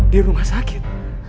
di rumah sakit